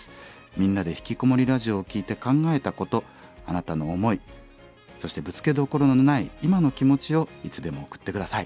「みんなでひきこもりラジオ」を聴いて考えたことあなたの思いそしてぶつけどころのない今の気持ちをいつでも送って下さい。